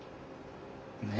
ねえ。